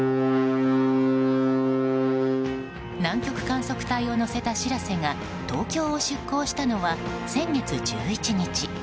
南極観測隊を乗せた「しらせ」が東京を出港したのは先月１１日。